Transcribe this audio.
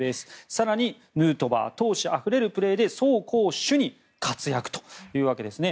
更に、ヌートバー闘志あふれるプレーで走攻守に活躍というわけですね。